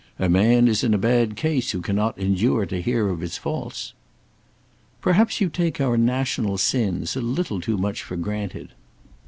A man is in a bad case who cannot endure to hear of his faults." "Perhaps you take our national sins a little too much for granted."